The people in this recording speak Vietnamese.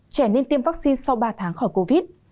trẻ nên tiêm vaccine sau ba tháng khỏi covid